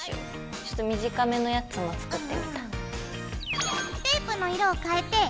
ちょっと短めのやつも作ってみた。